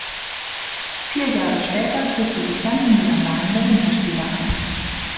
Vier Jahre später trug sie sich dann in die Annalen der Winterspiele ein.